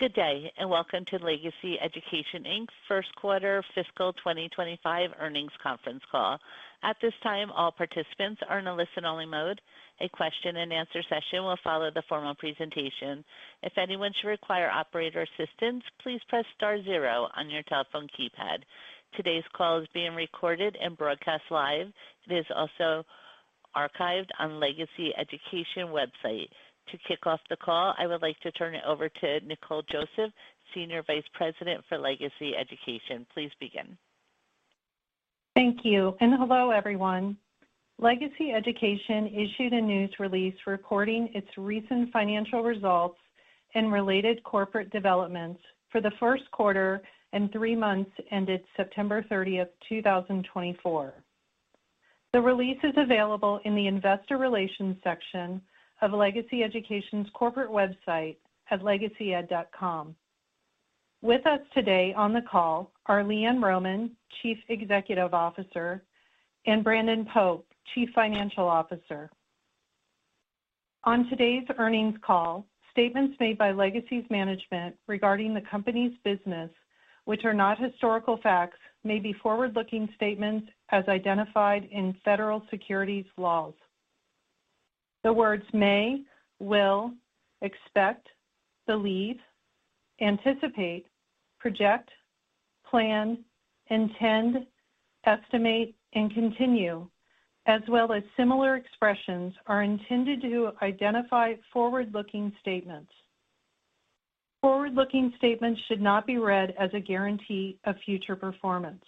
Good day, and welcome to Legacy Education Inc.'s first quarter fiscal 2025 earnings conference call. At this time, all participants are in a listen-only mode. A question-and-answer session will follow the formal presentation. If anyone should require operator assistance, please press star zero on your telephone keypad. Today's call is being recorded and broadcast live. It is also archived on Legacy Education's website. To kick off the call, I would like to turn it over to Nicole Joseph, Senior Vice President for Legacy Education. Please begin. Thank you, and hello everyone. Legacy Education issued a news release reporting its recent financial results and related corporate developments for the first quarter and three months ended September 30 of 2024. The release is available in the investor relations section of Legacy Education's corporate website at legacyed.com. With us today on the call are LeeAnn Rohmann, Chief Executive Officer, and Brandon Pope, Chief Financial Officer. On today's earnings call, statements made by Legacy's management regarding the company's business, which are not historical facts, may be forward-looking statements as identified in federal securities laws. The words may, will, expect, believe, anticipate, project, plan, intend, estimate, and continue, as well as similar expressions, are intended to identify forward-looking statements. Forward-looking statements should not be read as a guarantee of future performance.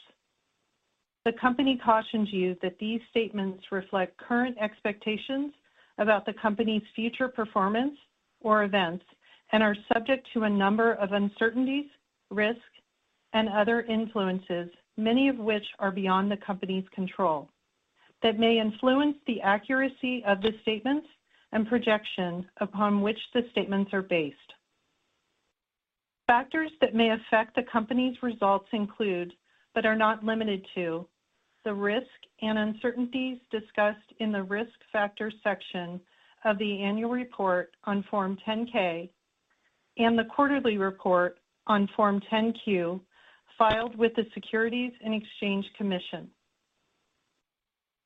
The company cautions you that these statements reflect current expectations about the company's future performance or events and are subject to a number of uncertainties, risks, and other influences, many of which are beyond the company's control, that may influence the accuracy of the statements and projection upon which the statements are based. Factors that may affect the company's results include, but are not limited to, the risk and uncertainties discussed in the risk factor section of the annual report on Form 10-K and the quarterly report on Form 10-Q filed with the Securities and Exchange Commission.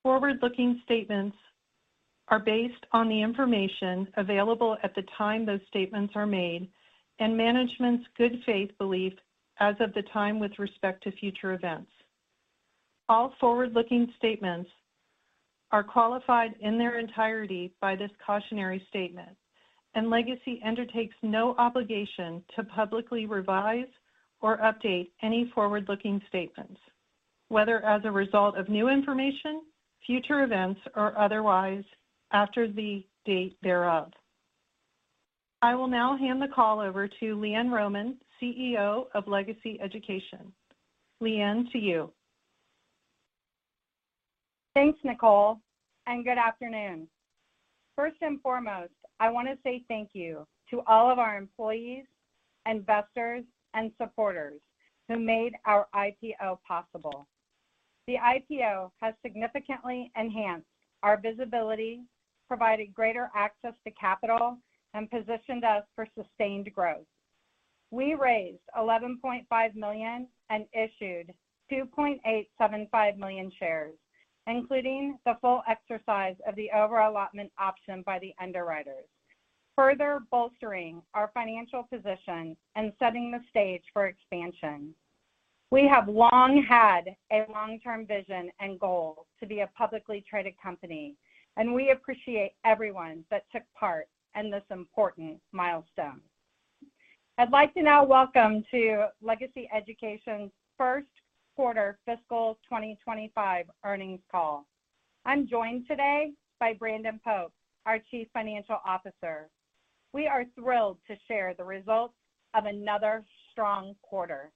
Forward-looking statements are based on the information available at the time those statements are made and management's good faith belief as of the time with respect to future events. All forward-looking statements are qualified in their entirety by this cautionary statement, and Legacy undertakes no obligation to publicly revise or update any forward-looking statements, whether as a result of new information, future events, or otherwise after the date thereof. I will now hand the call over to LeeAnn Rohmann, CEO of Legacy Education. LeeAnn, to you. Thanks, Nicole, and good afternoon. First and foremost, I want to say thank you to all of our employees, investors, and supporters who made our IPO possible. The IPO has significantly enhanced our visibility, provided greater access to capital, and positioned us for sustained growth. We raised $11.5 million and issued 2.875 million shares, including the full exercise of the over-allotment option by the underwriters, further bolstering our financial position and setting the stage for expansion. We have long had a long-term vision and goal to be a publicly traded company, and we appreciate everyone that took part in this important milestone. I'd like to now welcome to Legacy Education's first quarter fiscal 2025 earnings call. I'm joined today by Brandon Pope, our Chief Financial Officer. We are thrilled to share the results of another strong quarter.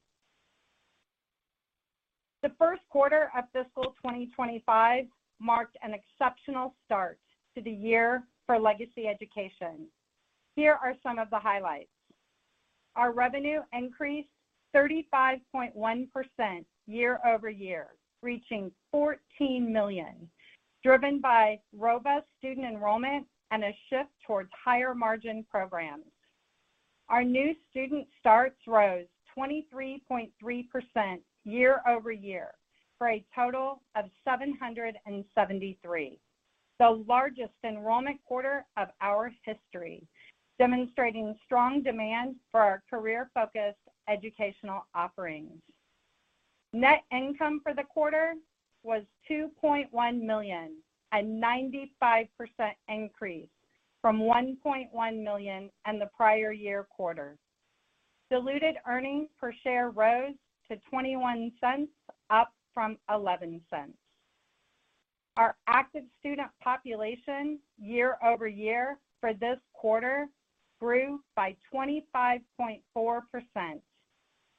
The first quarter of fiscal 2025 marked an exceptional start to the year for Legacy Education. Here are some of the highlights. Our revenue increased 35.1% year-over-year, reaching $14 million, driven by robust student enrollment and a shift towards higher margin programs. Our new student starts rose 23.3% year-over-year for a total of 773, the largest enrollment quarter of our history, demonstrating strong demand for our career-focused educational offerings. Net income for the quarter was $2.1 million, a 95% increase from $1.1 million in the prior year quarter. Diluted earnings per share rose to $0.21, up from $0.11. Our active student population year-over-year for this quarter grew by 25.4%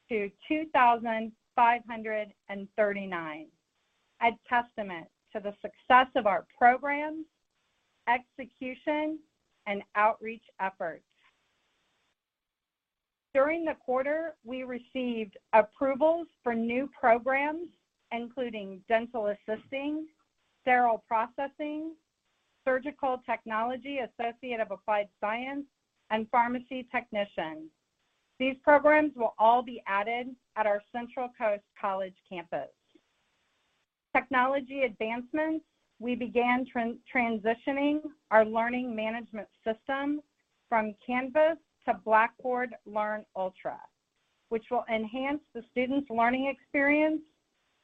to 2,539, a testament to the success of our programs, execution, and outreach efforts. During the quarter, we received approvals for new programs, including Dental Assisting, Sterile Processing, Surgical Technology, Associate of Applied Science, and Pharmacy Technician. These programs will all be added at our Central Coast College campus. Technology advancements. We began transitioning our learning management system from Canvas to Blackboard Learn Ultra, which will enhance the students' learning experience,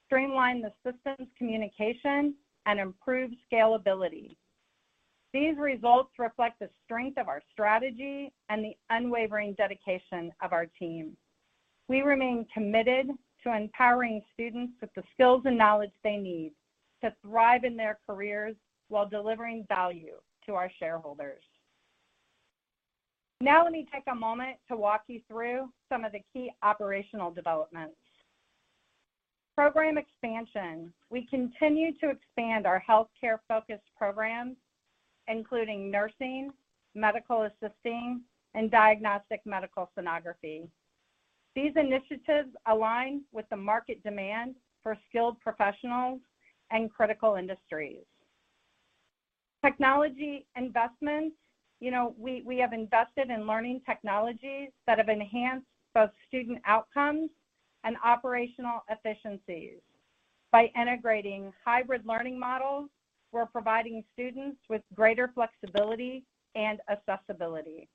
streamline the system's communication, and improve scalability. These results reflect the strength of our strategy and the unwavering dedication of our team. We remain committed to empowering students with the skills and knowledge they need to thrive in their careers while delivering value to our shareholders. Now let me take a moment to walk you through some of the key operational developments. Program expansion. We continue to expand our healthcare-focused programs, including nursing, medical assisting, and diagnostic medical sonography. These initiatives align with the market demand for skilled professionals and critical industries. Technology investments, you know, we have invested in learning technologies that have enhanced both student outcomes and operational efficiencies. By integrating hybrid learning models, we're providing students with greater flexibility and accessibility.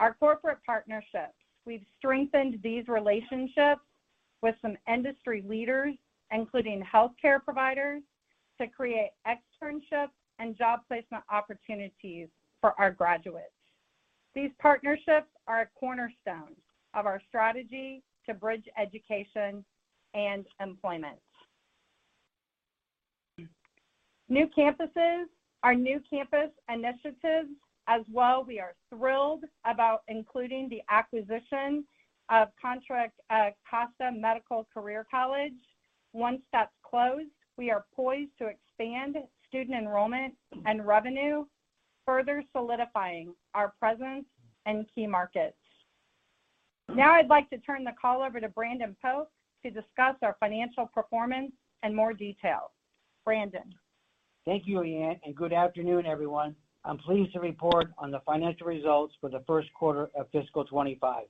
Our corporate partnerships, we've strengthened these relationships with some industry leaders, including healthcare providers, to create externships and job placement opportunities for our graduates. These partnerships are a cornerstone of our strategy to bridge education and employment. New campuses, our new campus initiatives as well. We are thrilled about including the acquisition of Contra Costa Medical Career College. Once that's closed, we are poised to expand student enrollment and revenue, further solidifying our presence in key markets. Now I'd like to turn the call over to Brandon Pope to discuss our financial performance in more detail. Brandon. Thank you, LeeAnn, and good afternoon, everyone. I'm pleased to report on the financial results for the first quarter of fiscal 2025.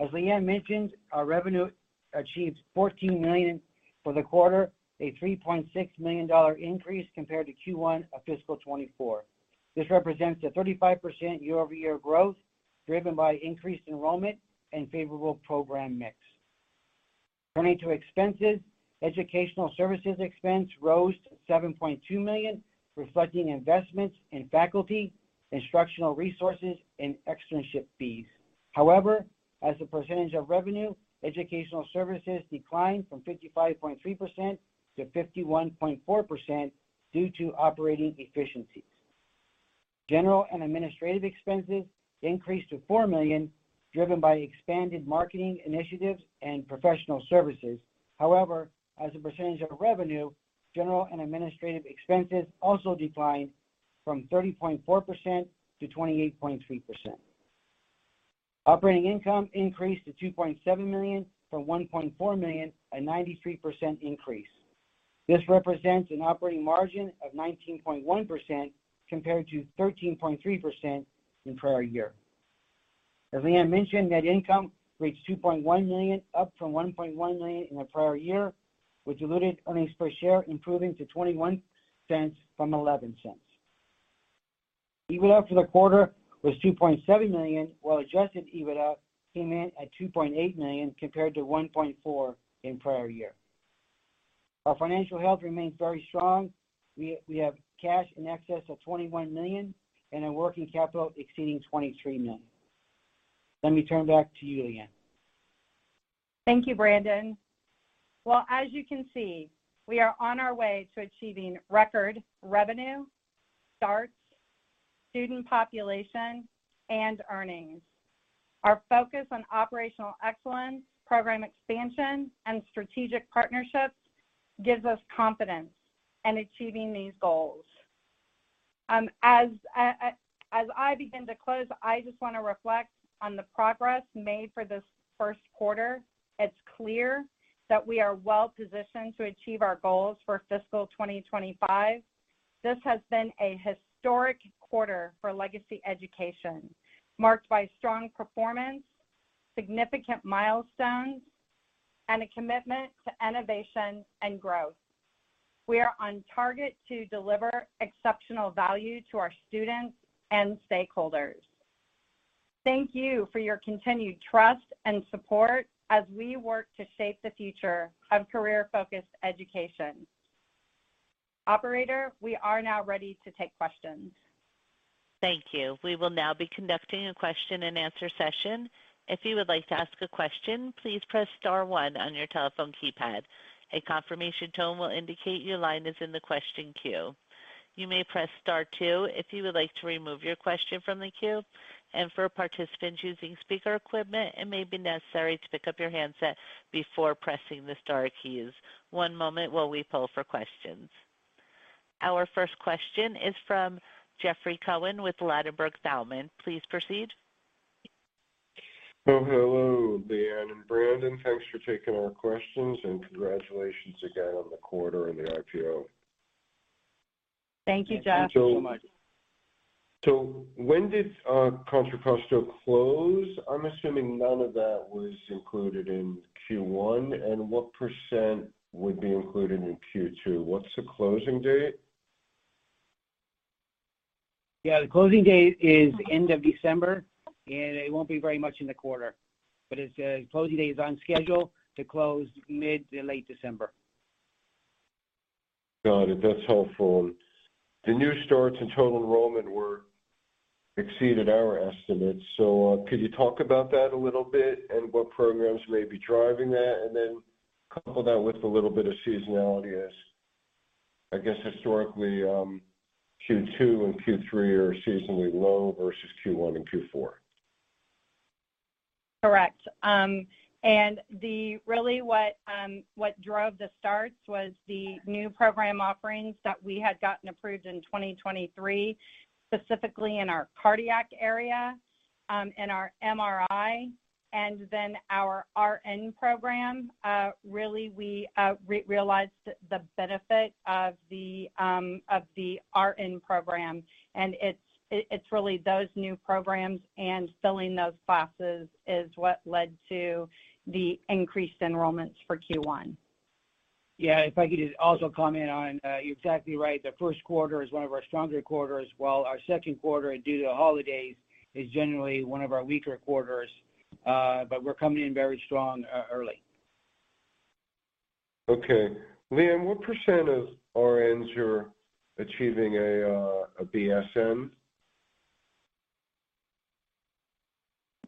As LeeAnn mentioned, our revenue achieved $14 million for the quarter, a $3.6 million increase compared to Q1 of fiscal 2024. This represents a 35% year-over-year growth driven by increased enrollment and favorable program mix. Turning to expenses, educational services expense rose to $7.2 million, reflecting investments in faculty, instructional resources, and externship fees. However, as the percentage of revenue, educational services declined from 55.3% to 51.4% due to operating efficiencies. General and administrative expenses increased to $4 million, driven by expanded marketing initiatives and professional services. However, as the percentage of revenue, general and administrative expenses also declined from 30.4% to 28.3%. Operating income increased to $2.7 million from $1.4 million, a 93% increase. This represents an operating margin of 19.1% compared to 13.3% in the prior year. As LeeAnn mentioned, net income reached $2.1 million, up from $1.1 million in the prior year, with diluted earnings per share improving to $0.21 from $0.11. EBITDA for the quarter was $2.7 million, while adjusted EBITDA came in at $2.8 million compared to $1.4 million in the prior year. Our financial health remains very strong. We have cash in excess of $21 million and a working capital exceeding $23 million. Let me turn back to you, LeeAnn. Thank you, Brandon. Well, as you can see, we are on our way to achieving record revenue, starts, student population, and earnings. Our focus on operational excellence, program expansion, and strategic partnerships gives us confidence in achieving these goals. As I begin to close, I just want to reflect on the progress made for this first quarter. It's clear that we are well positioned to achieve our goals for fiscal 2025. This has been a historic quarter for Legacy Education, marked by strong performance, significant milestones, and a commitment to innovation and growth. We are on target to deliver exceptional value to our students and stakeholders. Thank you for your continued trust and support as we work to shape the future of career-focused education. Operator, we are now ready to take questions. Thank you. We will now be conducting a question-and-answer session. If you would like to ask a question, please press Star 1 on your telephone keypad. A confirmation tone will indicate your line is in the question queue. You may press Star 2 if you would like to remove your question from the queue, and for participants using speaker equipment, it may be necessary to pick up your handset before pressing the Star keys. One moment while we pull for questions. Our first question is from Jeffrey Cohen with Ladenburg Thalmann. Please proceed. Oh, hello, LeeAnn and Brandon. Thanks for taking our questions, and congratulations again on the quarter and the IPO. Thank you, Jeff. Thank you so much. So when did Contra Costa close? I'm assuming none of that was included in Q1, and what percent would be included in Q2? What's the closing date? Yeah, the closing date is end of December, and it won't be very much in the quarter, but it's on schedule to close mid to late December. Got it. That's helpful. The new starts and total enrollment were exceeded our estimates. So could you talk about that a little bit and what programs may be driving that? And then couple that with a little bit of seasonality as, I guess, historically, Q2 and Q3 are seasonally low versus Q1 and Q4. Correct. And really what drove the starts was the new program offerings that we had gotten approved in 2023, specifically in our cardiac area, in our MRI, and then our RN program. Really, we realized the benefit of the RN program, and it's really those new programs and filling those classes is what led to the increased enrollments for Q1. Yeah, if I could also comment on, you're exactly right. The first quarter is one of our stronger quarters, while our second quarter, due to holidays, is generally one of our weaker quarters, but we're coming in very strong early. Okay. LeeAnn, what percent of RNs are achieving a BSN?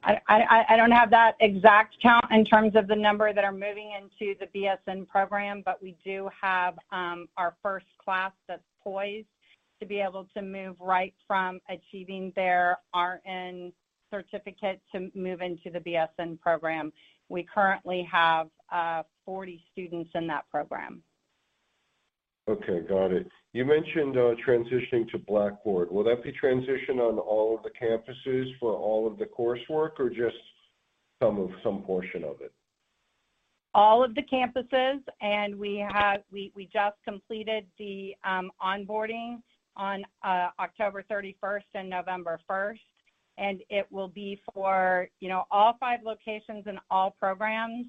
I don't have that exact count in terms of the number that are moving into the BSN program, but we do have our first class that's poised to be able to move right from achieving their RN certificate to move into the BSN program. We currently have 40 students in that program. Okay, got it. You mentioned transitioning to Blackboard. Will that be transitioned on all of the campuses for all of the coursework or just some portion of it? All of the campuses, and we just completed the onboarding on October 31st and November 1st, and it will be for all five locations and all programs.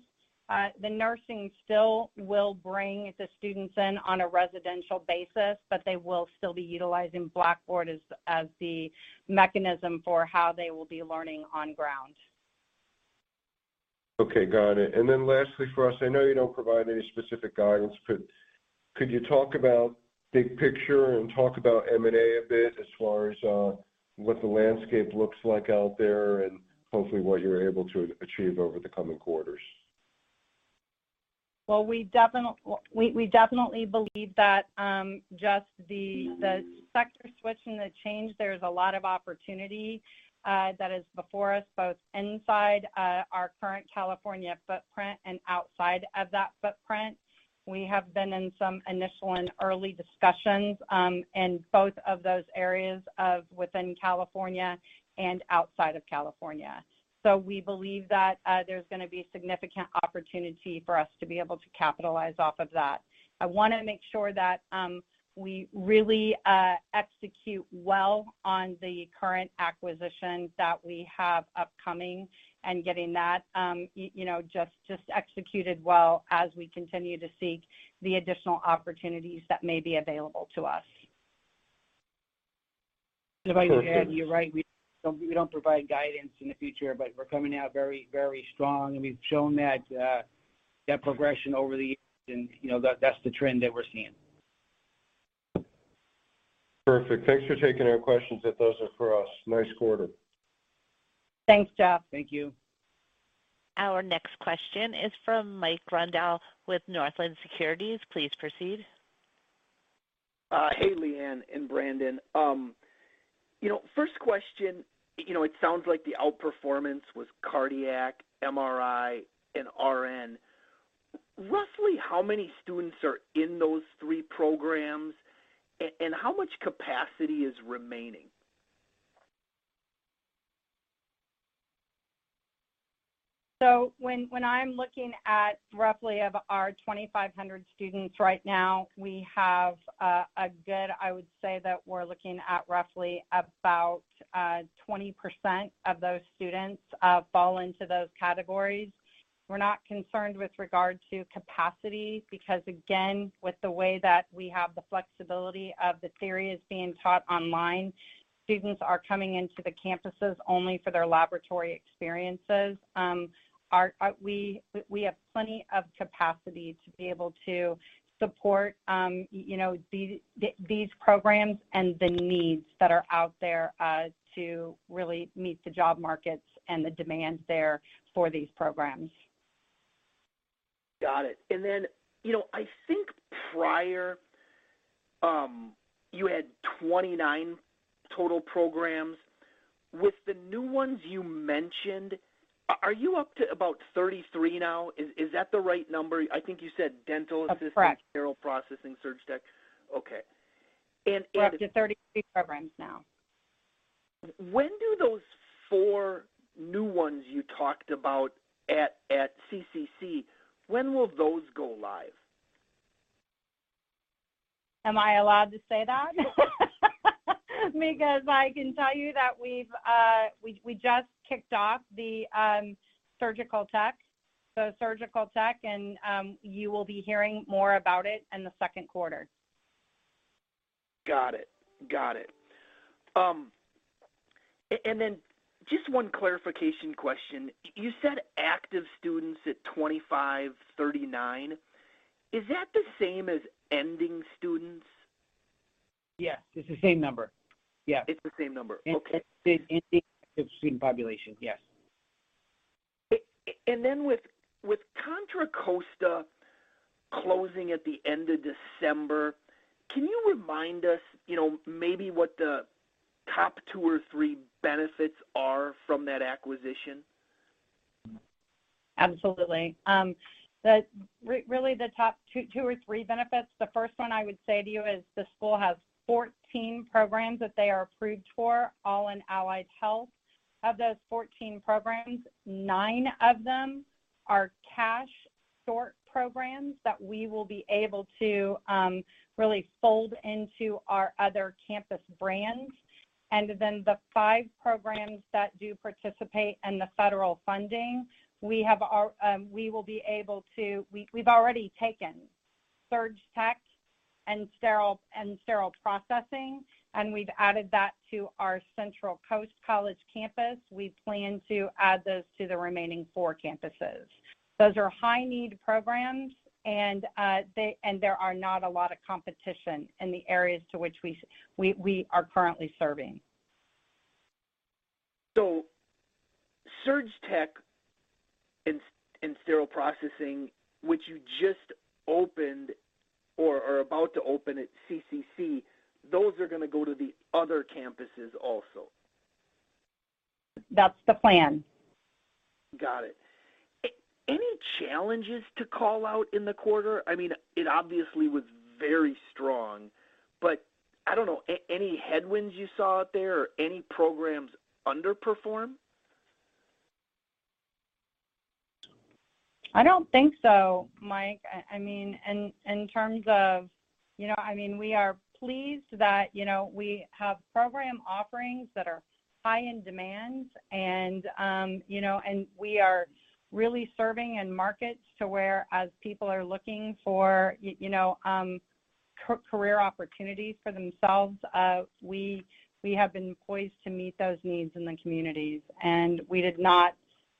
The nursing still will bring the students in on a residential basis, but they will still be utilizing Blackboard as the mechanism for how they will be learning on ground. Okay, got it. And then lastly for us, I know you don't provide any specific guidance, but could you talk about big picture and talk about M&A a bit as far as what the landscape looks like out there and hopefully what you're able to achieve over the coming quarters? We definitely believe that just the sector switch and the change, there's a lot of opportunity that is before us, both inside our current California footprint and outside of that footprint. We have been in some initial and early discussions in both of those areas of within California and outside of California, so we believe that there's going to be significant opportunity for us to be able to capitalize off of that. I want to make sure that we really execute well on the current acquisition that we have upcoming and getting that, you know, just executed well as we continue to seek the additional opportunities that may be available to us. And if I could add, you're right. We don't provide guidance in the future, but we're coming out very, very strong, and we've shown that progression over the years, and you know, that's the trend that we're seeing. Perfect. Thanks for taking our questions. If those are for us, nice quarter. Thanks, Jeff. Thank you. Our next question is from Mike Grondahl with Northland Securities. Please proceed. Hey, LeeAnn and Brandon. You know, first question, you know, it sounds like the outperformance was cardiac, MRI, and RN. Roughly how many students are in those three programs, and how much capacity is remaining? When I'm looking at roughly of our 2,500 students right now, we have a good. I would say that we're looking at roughly about 20% of those students fall into those categories. We're not concerned with regard to capacity because, again, with the way that we have the flexibility of the theory as being taught online, students are coming into the campuses only for their laboratory experiences. We have plenty of capacity to be able to support, you know, these programs and the needs that are out there to really meet the job markets and the demand there for these programs. Got it. And then, you know, I think prior you had 29 total programs. With the new ones you mentioned, are you up to about 33 now? Is that the right number? I think you said dental assistant, sterile processing, surg tech. Okay. And. We're up to 33 programs now. When do those four new ones you talked about at CCC, when will those go live? Am I allowed to say that? Because I can tell you that we just kicked off the surgical tech, so surgical tech, and you will be hearing more about it in the second quarter. Got it. Got it. And then just one clarification question. You said active students at 2,539. Is that the same as ending students? Yes, it's the same number. Yes. It's the same number. Okay. It's the ending active student population. Yes. With Contra Costa closing at the end of December, can you remind us, you know, maybe what the top two or three benefits are from that acquisition? Absolutely. Really, the top two or three benefits, the first one I would say to you is the school has 14 programs that they are approved for, all in Allied Health. Of those 14 programs, nine of them are cash short programs that we will be able to really fold into our other campus brands, and then the five programs that do participate in the federal funding, we will be able to, we've already taken surg tech and sterile processing, and we've added that to our Central Coast College campus. We plan to add those to the remaining four campuses. Those are high-need programs, and there are not a lot of competition in the areas to which we are currently serving. So surgical tech and sterile processing, which you just opened or are about to open at CCC, those are going to go to the other campuses also? That's the plan. Got it. Any challenges to call out in the quarter? I mean, it obviously was very strong, but I don't know, any headwinds you saw out there or any programs underperform? I don't think so, Mike. I mean, in terms of, you know, I mean, we are pleased that, you know, we have program offerings that are high in demand, and, you know, and we are really serving in markets to where, as people are looking for, you know, career opportunities for themselves, we have been poised to meet those needs in the communities, and we did not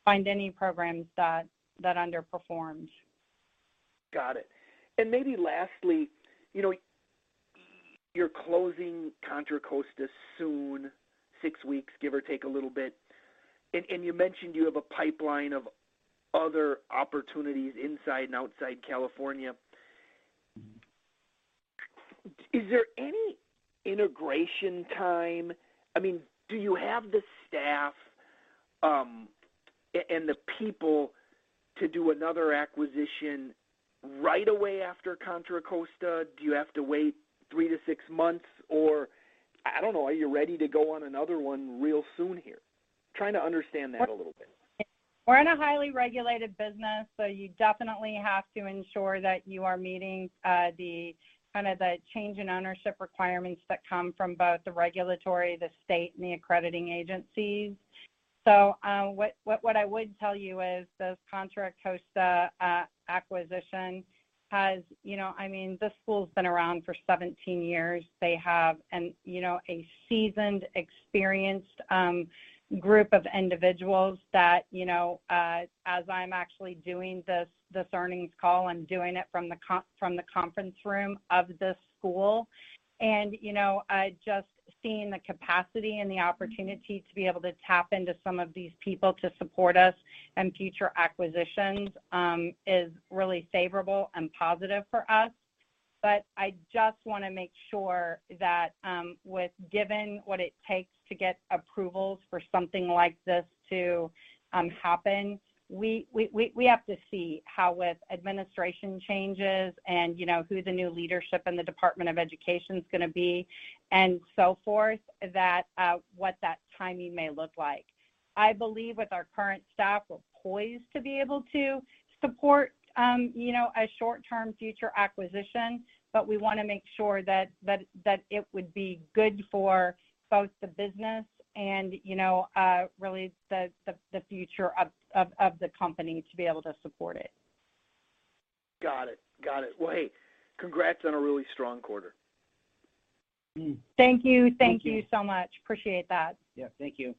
find any programs that underperformed. Got it. And maybe lastly, you know, you're closing Contra Costa soon, six weeks, give or take a little bit, and you mentioned you have a pipeline of other opportunities inside and outside California. Is there any integration time? I mean, do you have the staff and the people to do another acquisition right away after Contra Costa? Do you have to wait three to six months? Or I don't know, are you ready to go on another one real soon here? Trying to understand that a little bit. We're in a highly regulated business, so you definitely have to ensure that you are meeting the kind of the change in ownership requirements that come from both the regulatory, the state, and the accrediting agencies. So what I would tell you is this Contra Costa acquisition has, you know, I mean, this school has been around for 17 years. They have, you know, a seasoned, experienced group of individuals that, you know, as I'm actually doing this earnings call, I'm doing it from the conference room of this school. And, you know, just seeing the capacity and the opportunity to be able to tap into some of these people to support us in future acquisitions is really favorable and positive for us. But I just want to make sure that, given what it takes to get approvals for something like this to happen, we have to see how with administration changes and, you know, who the new leadership in the Department of Education is going to be and so forth, that what that timing may look like. I believe with our current staff, we're poised to be able to support, you know, a short-term future acquisition, but we want to make sure that it would be good for both the business and, you know, really the future of the company to be able to support it. Got it. Got it. Well, hey, congrats on a really strong quarter. Thank you. Thank you so much. Appreciate that. Yeah, thank you.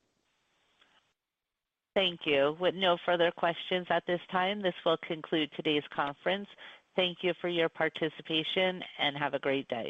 Thank you. With no further questions at this time, this will conclude today's conference. Thank you for your participation and have a great day.